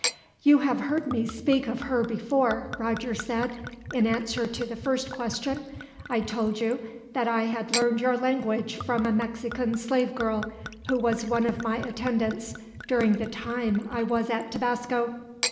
"You have heard me speak of her before," Roger said, in answer to the first question. "I told you that I had learned your language from a Mexican slave girl, who was one of my attendants during the time I was at Tabasco.